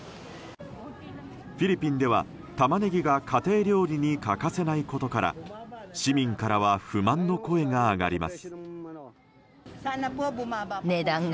フィリピンではタマネギが家庭料理に欠かせないことから市民からは不満の声が上がります。